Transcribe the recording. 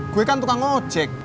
gue kan tukang gojek